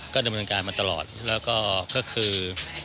ก็ดำเนินการมาตลอดแล้วก็คือ